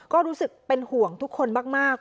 ก็รู้สึกเป็นห่วงทุกคนมาก